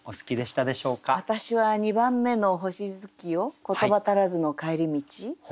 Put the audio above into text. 私は２番目の「星月夜言葉足らずの帰り道」。